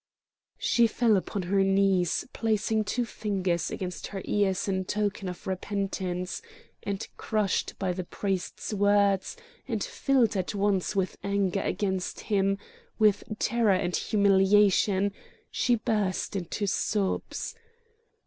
She fell upon her knees placing two fingers against her ears in token of repentance; and crushed by the priest's words, and filled at once with anger against him, with terror and humiliation, she burst into sobs.